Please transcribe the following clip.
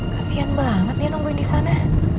kasian banget ya nungguin di sana